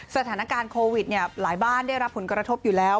สถานการณ์โควิดหลายบ้านได้รับผลกระทบอยู่แล้ว